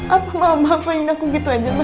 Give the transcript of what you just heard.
apa mama ingin aku gitu aja ma